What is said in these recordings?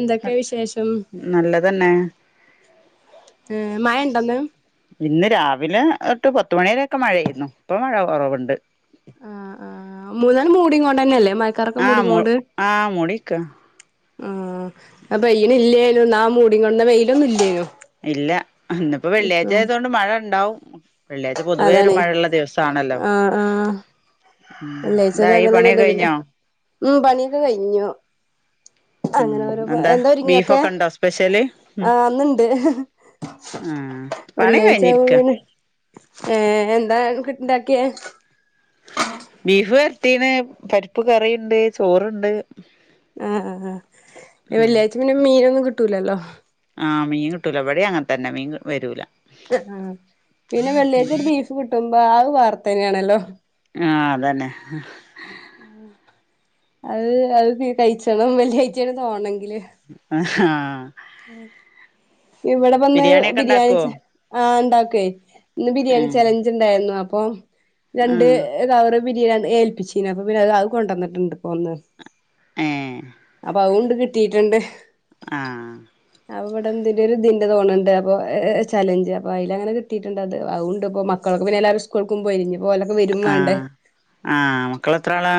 എന്തൊക്കെ വിശേഷം നല്ലതന്നെ ഉം മയ ണ്ടൊന്ന് ഇന്ന് രാവിലെ എട്ട് പത്തുമണിവരൊക്കെ മഴ ആരുന്നു ഇപ്പൊ മഴ കൊറവുണ്ട് ആ മൂന്നെണ്ണം മൂടി കൊണ്ടന്നെ അല്ലേ ആഹ് മൂ ആഹ് മൂടിക്ക ഉം അപ്പ ഇയിന് ഇല്ലേ ന്ന മൂടി കൊണ്ട് വെയിലൊന്നു ഇല്ലയൊ ഇല്ല ഇന്നിപ്പോ വെള്ളിയാഴ്ചായതോണ്ട് മഴ എണ്ടാവും വെള്ളിയാഴ്ച പൊതുവേ ഒരു അതാണേ മഴയുള്ള ദിവസാണല്ലോ വെള്ളിയാഴ്ച്ചക്കെ എന്തായി പണിയൊക്കെ അങ്ങനെന്നണ്ട് പിന്നെ കഴിഞ്ഞോ ഉം പണിയൊക്കെ കഴിഞ്ഞു ഉം അങ്ങനെ ഓരോ എന്താ ഒരുങ്ങിയൊക്കെ ബീഫൊക്കെ ഉണ്ടോ സ്പെഷ്യല് ആന്ന്ണ്ട് ആഹ് പണി വെള്ളിയാഴ്ച കഴിഞ്ഞിരിക്ക [unintelligible] ഏ എന്താ കിട്ടണ്ടാക്കിയേ ബീഫ് വരട്ടീന് പരിപ്പ് കറിയിണ്ട് ചോറിണ്ട് ആഹ് ആ ആ ഉം വെള്ളിയാഴ്ച പിന്നെ മീനൊന്നും കി ട്ടുലല്ലോ ആഹ് മീൻ കിട്ടൂല ഇവിടെ അങ്ങനെ തന്നെ മീൻ വരൂല ആ പിന്നെ വെള്ളിയാഴച്ച ഒരു ബീഫ് കിട്ടും ബാവ് വാർത്തന്നേണല്ലോ ആ അതന്നെ അത് അത് കഴിച്ചണം വെള്ളിയാഴ്ചയാണ് തോണ് ആ ആ ആ ഇവിടെ വന്ന് ബിരിയാണിയൊക്കെ ബിരിയാണിച ഉണ്ടാക്കുവോ ആ എണ്ടാക്വേ ഇന്ന് ബിരിയാണി ഉം ചലഞ്ച് ഇണ്ടായിരുന്നു അ പ്പോ രണ്ട് ആഹ് കവറ് ബിരിയാണി ഏൽപ്പിച്ചീനു അപ്പൊ പിന്നെ അത് അത് കൊണ്ടന്നെട്ടെണ്ട് ഇപ്പൊ ഒന്ന് ഏഹ് അപ്പൊ ഔണ്ട് കിട്ടീട്ടെണ്ട് ആ അവിടെന്ത് ഒരു ദിന്റെ തോണുന്നുണ്ട് അപ്പോ ഏ ചലഞ്ച് അപ്പോ അതിലങ്ങനെ കിട്ടിട്ടണ്ട് അത് അവുണ്ട് അപ്പൊ മക്കളൊക്കെ പിന്നെ എല്ലാവരും സ്കൂൾക്കും പോയിഞ്ഞ് ആ ആ മക്കള് എത്ര ആളാ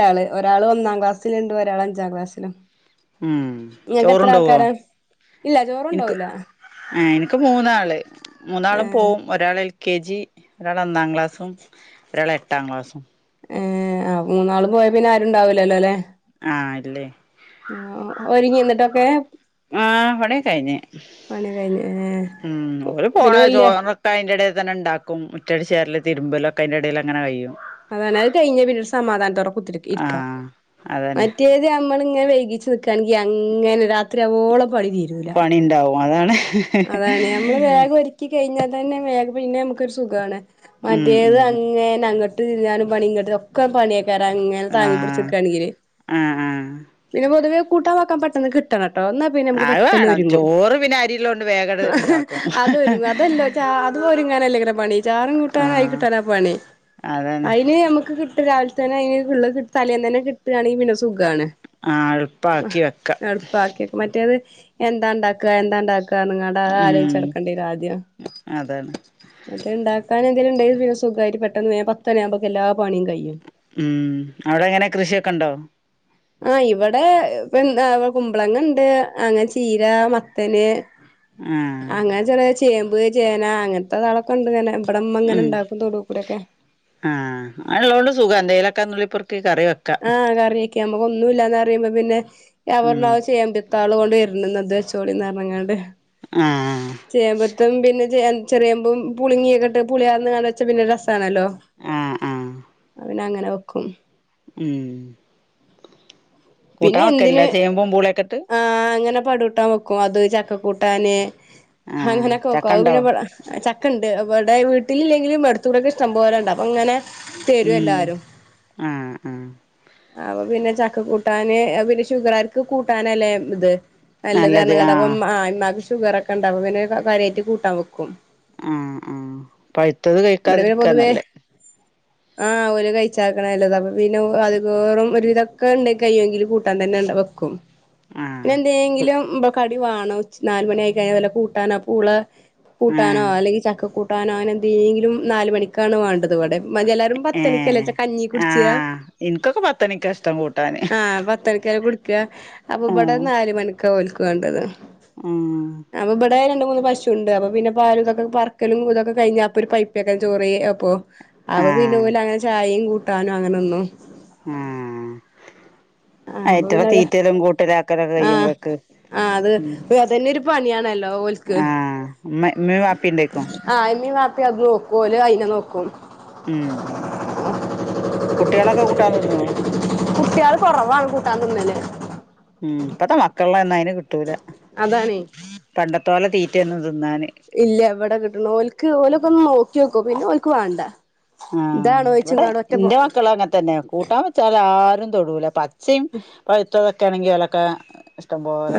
രാൾ ഒരാൾ ഒന്നാം ക്ലാസ്സിലിണ്ട് ഒരാൾ അഞ്ചാം ക്ലാസ്സിലും ഉം ചോറുണ്ടോവോ ചോറ് കൊണ്ടോവൂല എനക്ക് മൂന്നാള് മൂന്നാളും പോവും ഒരാള് എൽ കെ ജി ഒരാൾ ഒന്നാം ക്ലാസ്സും ഒരാള് എട്ടാം ക്ലാസ്സും ഹേ മൂന്നാളും പോയാൽ പിന്നെ ആരും ഉണ്ടാവില്ലല്ലോലെ ആഹ് ഇല്ലേയ് ഏഹ് ആ പണിയൊക്കെ കൈയ്ഞ് കഴിഞ്ഞ് ഏ മ്മ് ഓല് പോണ പിന്നെ വല്യ ചോറൊക്കെ അതിന്റെ എടെ അതന്നെ ഉണ്ടാക്കും മുറ്റടിചാരാലും തിരുമ്പാലൊക്കെ അയ്‌ന്റെ എടേല് അങ്ങനെ കഴിയും അതാണ്ത് കഴിഞ്ഞ പിന്ന ഒരു സമാധാനത്തോടെ കുത്തി ഇരിക ആഹ് അതന്നെ മറ്റേത് ഞ ങ്ങനെ വൈകിച് നി ക്കാണെങ്കി അങ്ങനെ രാ ത്രിയാവോളം പണി തീരൂല പണി ഇണ്ടാവും അതാണ് അതാണ് ഞമ്മള് വേഗം ഒരുക്കി കഴിഞ്ഞാൽ തന്നെ വേഗം പിന്നെ നമുക്ക ഒരു സുകാണ് ഉം ഉം മറ്റേത് അങ്ങേന അങ് [unintelligible] തിന്നാനും പണി ഇങ്ങ്ട്ട് ഒക്കെ പണിയ [unintelligible] ങ്ങനെ താങ്ങി ആഹ് പിടിച്ച്‌ക്കയാണെങ്കില് ആഹ് ആഹ് പിന്നെ പൊതുവെ കൂട്ടാൻ വക്കാൻ പറ്റ് അ [unintelligible] കിട്ടണ ആത് വേണം ചോറ് പിന്നെ അരില്ലോ അതൊരുങ്ങ അതല്ലോ ച്ച അത് ഒരുങ്ങാനല്ല ഇങ്ങനെ പണി ചാറും കൂട്ടാന ആയി ആഹ് കിട്ടാനാ പണി അതന്നെ അയിന് നമ്മക്ക് കി ഇട്ട് രാവിൽതന്നെ [unintelligible] തലേന്നന്നെ കിട്ട്ണെങ്കിൽ പിന്നെ സുഖണ് ആഹ് എളുപ്പക്കി വെക്ക എളുപ്പാക്കിയൊക്കെ എന്താ ണ്ടാക്ക എന്താണ്ടാ [unintelligible] അ ഉം ആലോചിച്ചെടുക്കേണ്ടിര ആദ്യം അതാണ് മറ്റേ ഇണ്ടാക്കൻ ഇതിലിണ്ടേൽപിന്നെ സുകായിട്ട് പെട്ടന്ന്വേം പത്തരെ ആമ്പോക്കെല്ലാം ഉം അവിടെ എങ്ങനെ കൃഷിക്കെ ഒണ്ടോ ആഹ് ഇവിടെ [unintelligible] കുമ്പളങ്ങണ്ട് അങ്ങനെ ചീര മത്തന് ആഹ് അങ്ങനെ ചെറിയ ചേമ്പ് ചേന അങ്ങന് ത്തെ താളൊക്കെണ്ട്ങ്ങനെ ഉം ആഹ് അതുള്ളത്കൊണ്ട് സുഖ എന്തേലൊക്കാന്നുള്ളി പെറുക്കി കറിവെ ആഹ് കറി ക്ക് നമ്മൾക്ക് ഒന്നുമില്ലെന്ന് പറയുമ്പോൾ പിന്നെ ഞാൻ ഉം പറഞ്ഞു അത് ചെയ്യാൻ പ പത്താള് കൊണ്ട് വരുന്നന്ന് അത്‌ വെച്ചോളിന് പറഞ്ഞു അങ്ങോട് ആഹ് ആഹ് ചെയ്യാൻപാറ്റും പിന്നെ ചെയ്യൻ ചെറിയമമ്പ് പുളിങ്ങിയൊക്കെ പുളിയാന്ന് വെച്ചൽ പിന്നെ രസ ണല്ലോ ആഹ് ആഹ് പിന്നെ അങ്ങനെ വെക്കും മ്മ് പിന്നെ കൂട്ടാൻ വക്കലില്ല ചേമ്പും പൂളയക്കെയിട്ട് പാട് കൂട്ടാൻ വെക്കും അത് ചക്ക കൂട്ടാന് ആഹ് ഹങ്ങനെ ഒക്കെ വെക്കും അത് ചക്കണ്ടോ പിന്നെ ചക്ക ചക്കെ ഉണ്ട് ഇവടെ വീട്ടിലിലെങ്കിലും അടുത്തൂടൊക്കെ ഇഷ്ടം പോലുണ്ട് അപ്പ അങ്ങനെ തരും ഉം എല്ലാരും ആഹ് ആഹ് അപ്പ പിന്നെ ചക്ക കൂട്ടാൻ കൂട്ടാന് പിന്നെ ഷുഗർകാർക്ക് കൂട്ടാനല്ലേ ഇത് നല്ലത് നല്ലതാരണം ആഹ് കണ്ടപ്പം അ ഇമ്മാക്ക് ഷുഗർ ഒക്കെ ഉണ്ടാവും അപ്പോ പിന്നെ കാര്യായിട്ട് കൂട്ടാൻ വെക്കും ആഹ് ആഹ് പഴുത്തത് ഇവിടെ പിന്നെ പൊതുവേ കഴിക്കാതിരിക്കാന്നല്ലേ ആഹ് ഓര് കഴിച്ചാക്കണല്ലോ അപ്പ പിന്നെ അത് വേറും ഒരുവിതൊക്കെ ഉണ്ടെങ്കി കയിയുമെങ്കിൽ കൂട്ടാൻ തന്നെ അങ്ങട് വെക്കും ആഹ് എന്തെങ്കിലും ഇബ്ട- കടി വേണം നാലുമണി ആയി കഴിഞ്ഞൽ വല്ല കൂട്ടാനോ പൂള കൂട്ടാനോ ആഹ് അല്ലെങ്കിൽ ചക്ക കൂ കൂട്ടാനോ അങ്ങനെ എന്തെങ്കിലും നാല് മണിക്കാണ് വേണ്ടത് ഇവിടെ എല്ലാരും പത്തണിക്കല്ലേ ഏഹ് കഞ്ഞി കുടിച്ചാ ആഹ് ഇനിക്കൊക്കെ പത്ത് മണിക്കാ ഇഷ്ടം കൂട്ടാൻ ആഹ് പത്ത് മണിക്ക കുടിക്കുക അപ്പൊ ഇവിടെ ആഹ് നാല് മണിക്ക് ഒക്കെ ഓൽക് വേണ്ടത് ആഹ് അപ്പൊ ഇവിടെ രണ്ട് മൂന്ന് പശുണ്ട് അപ്പം പിന്നെ പാലും ഇതക്കെ പറക്കലും ഇതൊക്കെ കഴിഞ്ഞാ അപ്പൊ ഒരു പൈപ്പൊക്കെ ചോറ് കഴിക്കാ അപ്പോ അപ്പ പിന്നെ ആഹ് ഓന് അങ്ങനെ ചായയും കൂ ട്ടാനോ അങ്ങനൊന്നും ആഹ് അപ്പൊ അയറ്റകളുടെ പിന്നെ അത് തീറ്റലും കൂട്ടലും ആക്കല് ആഹ് കഴുമ്പക്ക് ആഹ് അത് മൂ അതന്നെ ഒരു പണിയാണല്ലോ ഓൽക്ക് ആഹ് ഉമ്മ ആഹ് ഇമ്മേം വാപ്പേം അത് നോക്കും ഓല് അയിനെ നോക്കും മൂ മൂ കുട്ടികളൊക്കെ കൂട്ടാൻ തിന്നോ കുട്ടികള് കുറവാണ് കൂട്ടാൻ തിന്നല് മൂ ഇപ്പത്തെ മക്കൾ മക്കളെ ഒന്ന് അയിന് കിട്ടുല അതാണേ പണ്ടത്തെ തോല തീറ്റ [unintelligible] ഇല്ല ഇവിടെ കിട്ടുണോൽക് ഓലക്കൊന്ന് നോക്കി കും പിന്നെ ഓല്ക്ക് വേണ്ട ആഹ ഇതാണോയിച്ചും ഇവിടെ കാണ്ട് ഒറ്റ പോ ന്റെ മക്കൾ അങ്ങനെത്തന്നെ കൂട്ടാൻ വെച്ചാ ആർ തൊടൂല പ ചെം പയ്ത്ത ട്ടാണങ്കി ഓലക്കെ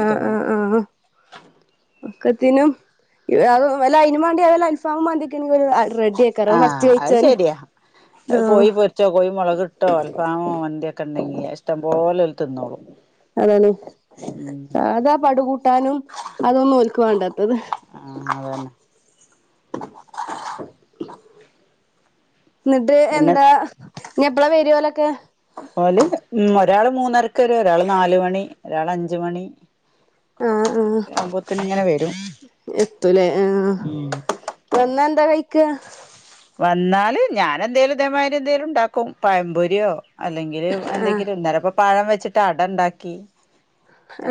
ആഹ ആഹ ആഹ ഒക്കത്തിനും അ ഔ ല്ല അയ്നുംവേണ്ടി ല്ല അൽഫാമും മന്തിക്കെണെങ്കി ര് റെഡി ആക്കാരം ആഹ ഫസ്റ്റ് അത് കഴിച്ചാന് ശരിയാ ആഹ് കോയി പൊരിച്ചോ കോഴി മൊളകിട്ടോ അല്ഫാമോ മന്തിയൊക്കെ ഉണ്ടെങ്കിയ ഇഷ്ടം പോലെ തിന്നോളും അതാണ് ഉം അതാ പടുകൂട്ടാനും. അതൊന്നും ഓല്ക്ക് വാണ്ടാത്തത്. ആഹ് അതന്നെ ന്ന്ട്ട് പിന്നെ എന്താ ഇനി എപ്പളാ വര ഓലക്ക ഓല് ഒരാള് മൂന്നരക്കരു ഒരാള് നാല് മണി ഒരാളഞ്ച് മണി ആഹ ഒക്കെ ആ ആവുമ്പോത്തിന് ഇങ്ങനെ വരും എത്തൂലേ ആഹ ഉം വന്നാ എന്താ കയി ക്യ വന്നാല് ഞാനെന്തേലും ഇദേ മാതിരി എന്തേലും ണ്ടാക്കും പയംപൊരി യോ അല്ലെങ്കിൽ ആഹ് എന്തെങ്കിലും നിലപ്പം പഴം വെച്ചിട്ട് അടണ്ടാക്കി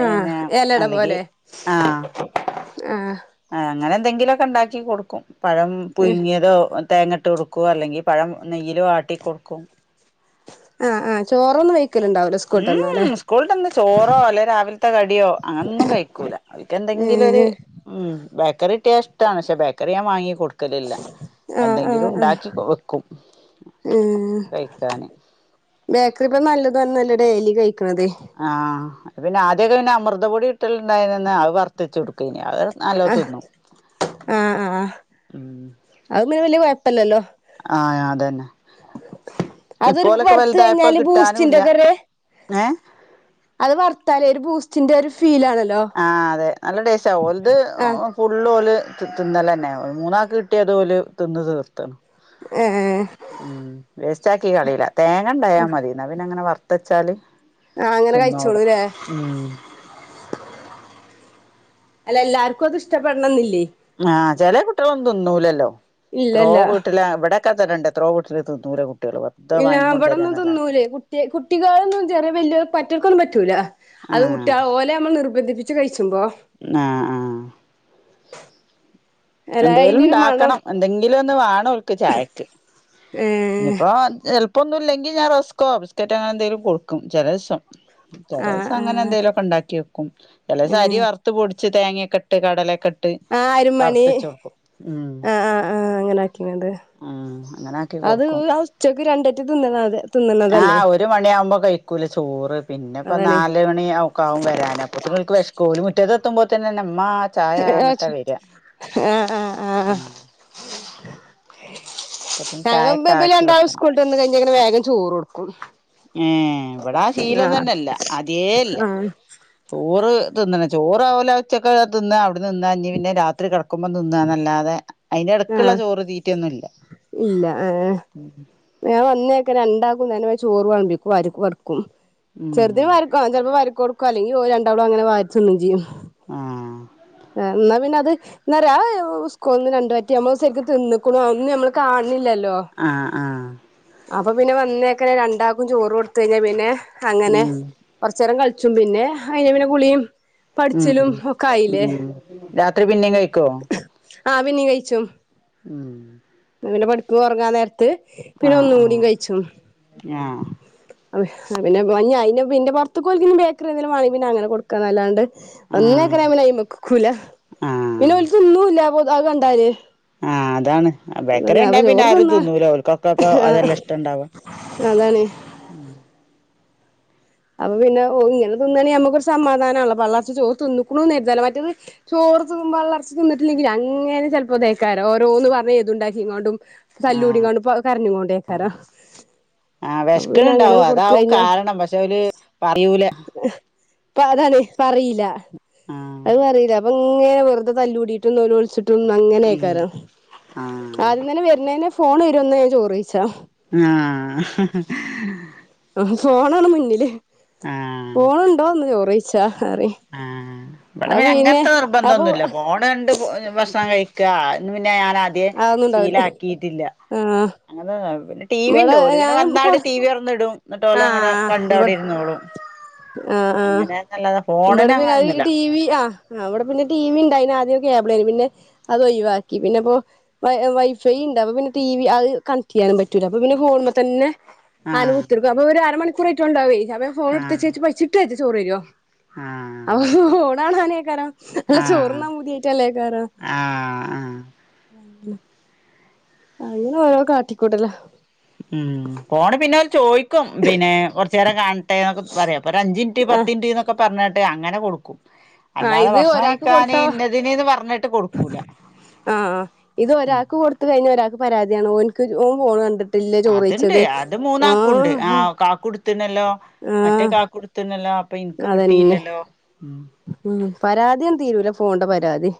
ആഹ എലട പോലെ ആ ആ അങ്ങനെ എന്തെങ്കിലുക്കെണ്ടാക്കി കൊടുക്കും. പഴം ഏഹ് പുഴുങ്ങിയതോ തേങ്ങട്ട് കൊടുക്കുവോ അല്ലെങ്കിൽ പഴം നെയ്യില് വാട്ടി കൊടുക്കും ആഹ ആഹ് ചോറൊന്ന് വയി ഉം സ്കൂളിട്ടന്ന് ചോറോ അല്ലെ രാവിലത്തെ കടിയോ അങ്ങനൊന്നും കഴിക്കൂല അവര്ക്ക് എന്തെങ്കിലും ഒരു ഏഹ് ബാക്ക് ബേക്കറികിട്ടിയാഷ്ടാണ് ഷേ ബേക്കറി ഞാൻ വാങ്ങിക്കൊടുക്ക ആഹ ആഹ ആഹ വെക്കും ഉം കഴിക്കാന് ബേക്കറി നല്ലത [unintelligible] [unintelligible] ആഹ പിന്നെ ആദ്യൊക്കെ പിന്നെ അമൃതപൊടി കിട്ടലുണ്ടായിന്ന് അത് വർത്ത് കൊടുക്കും ഇ അവ നല്ല തിന്നും ഉം [unintelligible] വലിയ കുഴപ്പല്ലല്ലോ അതെ അതൊരു വറുത് വലുതായപ്പോ കഴിഞ്ഞാല് ബൂസ്റ്റിന്റെ കിട്ടാനുല്ല ഒക്കെ ഒര് ഏഹ് അത് വറുത്താലേ ഒരു ബൂസ്റ്റിന്റെ ഫീൽ ആണല്ലോ ആഹ് അതെ നല്ല ടെസ്റ്റാക്കും ഒലത് ആഹ് ഫുൾ ഓല് തിന്നാല് തന്നെ ആവും മൂന്നാക്കു കിട്ടിയത് പോലും തിന്ന് തീർതാനും ഏഹ് ഉം വേസ്റ്റ് ആക്കികളായില്ല തേങ്ങ ഉണ്ടായാൽ മതി എന്നാ പിന്നെ അങ്ങനെ വറാത് ചാല് ആഹ് അങ്ങനെ കഴിച്ചോളും ഇല്ലേ അല്ല എല്ലാർക്കും അത് ഇഷ്ടപ്പെടണം എന്നില്ലേ ആഹ് അ ചെല കുട്ടികൾ ഒന്നും തിന്നുന്നല്ലോ എത്രോ ഇല്ലല്ല വീട്ടിലാ അവിടെ ഇക്കതര ഇണ്ട് എത്രോ കുട്ടര് ത് തൂര കൂട്ട് ഇല്ല അവിടെന്നും തിന്നൂലേ കുട്ടി കുട്ടിളൊന്നും ചെറിയ വല്യ പറ്റൊർക്കൊന്നും പറ്റൂല അത് ആഹ് കുട്ട്യേളെ ഓലെ നമ്മൾ നിർബന്ധിപ്പിച്ച ഇച്ച് വൈ ആഹ് ആഹ് അല്ല എന്തേലും അയിന്റെ ഒരു മണം ഇണ്ടാക്കണം എന്തെങ്കിലും ഒന്ന് വാണോൽ ചായക്ക് ഏഹ് ഇഞ്പ്പോ ചെ അപ്പൊന്നുല്ലെങ്കി ഞാ റസ്ക്കൊ ബിസ്ക്കെറ്റോ അങ്ങനെ എന്തെലും കൊട്ക്കും ചെല ദിസം ചെല [unintelligible] വ് ആഹ് സം അങ്ങനെ ആഹ് എന്തെലൊക്കെ ഇണ്ടാക്കി വെക്കും ചെലവ്സംഅരി ഏഹ് വറുത്ത്പൊടിച്ച് തേങ്ങ്യക്ക്ട്ട് കടലെക്കെട്ട് ആഹ് അരുമണി ഉം അഹ് അഹ് അങ്ങനെ ആക്കിങ്ങാട്ട് ഉം അങ്ങനെ ആക്കി അതു കൊടുക്കും ഉച്ചക്ക് രണ്ട ഇത് ത്തിന്ന്ണാത് ആഹ് ഒരു മണിയാവുമ്പോ കഴിക്കൂല ചോറ് പിന്നെ ഇപ്പം അതാണ് നാല് മണി ഔ ഒക്കെ ആവും വരാന് അപ്പോത്തിനു ഒല്ക്ക് വെശ് കോഴി മുറ്റത്ത് എത്തുമ്പോൾ തന്നേ ആഹ് ആഹ് ആഹ് അപ്പോത്തിന് [unintelligible] ചായയൊക്കെ എന്തേലും ആക്കി ഉണ്ടായാൽ വെക്കണം സ്‌കൂൾ വിട്ട് വന്ന് കഴിഞ്ഞ് ഇങ്ങനെ വേഗം ചോറ് കൊടുക്കും ഏ ഇവിടാ ശീലം ആഹ് തന്നെയല്ല അതേ അല്ല ആഹ് ചോറ് തിന്നണ ചോറാവലച്ചക്കെ ന്ന് അവിടെ നിന്നാഞ്ഞഞ് പിന്നെ രാത്രി കിടക്കുമ്പോ തിന്നാ നല്ലാതെ അയിന്റെടുക്കുള്ള ആഹ് ചോറ് തീറ്റിയൊന്നുമില്ല ഇല്ല ഏഹ് ഞാൻ വന്നേക്കനെ രണ്ടാക്കും തന്നെ ചോറ് വിലമ്പി വാരി കൊടുക്കും ചെറുതിയ ഉം വാരക്കെ ചിലപ്പോ വാരി കൊടുക്കും അല്ലെങ്കിൽ ഓര് രണ്ടാലും അങ്ങനെ വാരി തിന്നുകയും ചെയ്യും ആഹ് ആ എന്നാ പിന്നെ അത് എന്നന്നരാ ഉസ്കോ ഒന്ന് രണ്ടു പറ്റി നമ്മൾ ശരിക്കും തിന്നക്കണോ ഒന്നും നമ്മള് കാണില്ലല്ലോ ആഹ് ആഹ് അപ്പൊ പിന്നെ വന്നേക്കനെ രണ്ടാക്കും ചോറ് കൊടുത്തു കഴിഞ്ഞാൽ പിന്നെ അങ്ങനെ ഉം കൊറച്ച് നേരം കളിച്ച- കളിച്ചുംപിന്നെ അയി പിന്നെ കുളിയും ഉം പഠിച്ചിലും ഒക്കെ ഉം ആയില്ലേ ഉം രാത്രി പിന്നേയും കഴിക്കോ ആ പിന്നിം കഴിച്ചും ഉം അങ്ങനെ പഠിക്കോ ഉറങ്ങാൻ നേരത്ത് പിന്നെ ആഹ് ഒന്നും കൂടി ആഹ് കഴിച്ചും ആഹ് അ പിന്നെ പിന്നെ പുറത്തു പോയി കഴിഞ്ഞാ ബേക്കറി എന്തെങ്കിലും വാങ്ങി പിന്നെ അങ്ങനെ കൊടുക്കാ എന്നല്ലാണ്ട് ആഹ് അന്നേക്കനയി മക്കക്കൂല പിന്നെ ഓരിക്ക് ഒന്നും ഇല്ല അതാ കണ്ടേ ആഹ അതാണ് ബേക്കറി ഉണ്ടാവ പിന്നെ ചോറ് ആരും തിന്നാ തിന്നൂല ഓക്കൊക്കപ്പ ആഹ് അതെല്ലാം ഇഷ്ടം ഇണ്ടവാ അതാണ് ഉം അപ്പൊ പിന്നെഓ ഇങ്ങനെ തിന്നണെങ്ങിൽ നമ്മക്കൊരു സമാധാനമാണല്ലേ പള്ളർച്ചുചോറ് തിന്നക്കുണു കരുതല്ലോ മറ്റത് ചോർ തിന്ന വള്ളർച്ച തിട്ടില്ലെങ്കിൽ അങ്ങനെ ചിലപ്പോ ദയക്കാര ഓരോന്ന് പറഞ്ഞഞ് ഇതുണ്ടാക്കി ഇങ്ങോണ്ടും ആഹ് കല്ലൂടണ്ട് കരഞ്ഞി കൊണ്ടു പോയാൾക്കാരാ ആഹ് അപ്പൊ വെശ്ക്ക്ണ് പിന്നെ ഇണ്ടാവും അങ്ങനെയാണ് കൊടുത്ത് അതാവും കഴിഞ്ഞ കാരണം പക്ഷെ പറയൂല അതാണ് പറയില്ല ആഹ് അങ്ങനെ വെറുത തല്ലൂടിയിട്ട് ഒന്ന് ഒളിച്ചി അങ്ങനെ ഉം നിക്കാറാ ആഹ് ആദ്യം തന്നെ വരുന്നതിന് ഫോണ് ഒന്നേ ചോറിിച്ച ആ ഹിഹി ഫോൺആണ് മുന്നിൽ പോണണ്ടോന്ന് ചോറ ച്ച ആ ഇവിടെ പിന്നെ അങ്ങനത്തെ അപ്പൊ നിർബന്ധന്നുല്ല ഫോണണ്ട് ഭക്ഷ ക്ഷണം ഴിക്ക പിന്നെ ഞാനാദ്യേ അതൊന്നും ഉണ്ടാവൂല ശീലക്കിയിട്ടില്ല ആഹ് അങ്ങനെ പിന്നെ ടിവിണ്ട് ഇവിടെ ഓല് പിന്നെ ഞാനും കൊ വന്നാടെ ടിവി തൊറന്നിടും എന്നിട്ട് ഓലങ്ങനെ കണ്ടവിടെ ഇരുന്നോളും ആ ആ അങ്ങനെന്നല്ലാതെ ഇവിടെ ഫോണിന് പിന്നെ അത് അങ്ങനൊന്നുമില്ല ടി വിവി ആ അവിടെ പിന്നെ ടി വി ഉണ്ട്‌ അയിന് ആദ്യം കേബിളയ്നിം പിന്നെ അത് ഒഴിവാക്കി പിന്നെപ്പോ വ വൈഫൈ ഉണ്ട് അപ്പ പിന്നെ ടി വി അത് കണക്ട് ചെയ്യാനും പറ്റൂല അപ്പ പിന്നെ ഫോണ്മ്മ്മെ തന്നെ ആഹ് അനൂത്തിർക്കും അപ്പം ഒരു അര മണി [unintelligible] ട്ടുണ്ടാവേ ഞാൻ വേം ഫോണ്‌ട് ആഹ് ഇപ്പെച്ചെ ഇച്ച് പൈയിച്ചിട്ട് വെജ്ജ ചോറ് തെരോ ആഹ് [unintelligible] ക്കാരം അല്ല ആഹ് ചോർന്നാം പൂതി ആയിറ്റ് അല്ലെയ്ക്കാരം ആഹ് ആഹ് അങ്ങനെ ഓരോ കാട്ടിക്കൂട്ടെലാ ഉം ഫോണ് പിന്നെ ഓര് ചോയി ക്കും പിന്നെ കൊർച്ചേരം കാണട്ടെ ന്നൊക്കെ പറിം അപ്പ ഒര് അഞ്ചിൻറ്റ് പത്തിൻറ്റ് ന്നൊക്കെ പർണാട്ട് അങ്ങനെ കൊട്ക്കും ആ ഇത് ഒരാക്ക് കൊട്ത്താ ഇന്നതിന്ന്ന് പറഞ്ഞിട്ട് കൊടുക്കൂല ആ ഇത് ഉം ഒരാക്ക് കൊട്ത്ത് കഴിഞ്ഞ ഒരാക്ക് പരാതിയാണ് ഓന്ക് ഓൻ ഫോൺ കണ്ട് അത്ണ്ട് അത് മൂന്നാക്കും ഇണ്ട് ആ ഹേ കാക്കു ഇട് ല്ലോ മറ്റേ ആഹ് കാക്കു ഇട്ത്ത്ണല്ലോ അപ്പ ഇൻക്ക് അതന്നെ കിട്ടിയില്ലല്ലോ ഉം പരാതിയാണ്ട് തീരൂലാ ഫോൺന്റെ പരാതി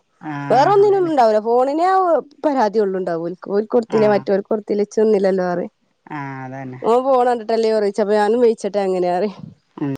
വേറെ ആഹ് ഒന്നിനും അതന്നെ ഇണ്ടാവ്‌ലാ ഫോണ് ന്നെ ആവ് പരാതിയൊളളു ഇണ്ടാവാ ഓ ഓൽക്ക് കൊട്ത്തിലെ ആഹ് മറ്റോൽക്ക് കൊട്ത്തിലെ ചെന്നില്ലല്ലോ അറിം ആഹ് അതന്നെ എല്ല് കറി വെച്ച് അപ്പോ ഞാനും വേയിച്ചിട്ടു എങ്ങനാ പറയും ഉം